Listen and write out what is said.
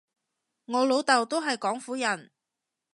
我老豆都係廣府人